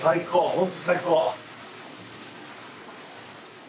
本当最高。